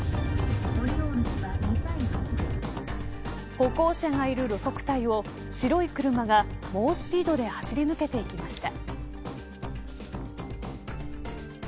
歩行者がいる路側帯を白い車が猛スピードで走り抜けていきました。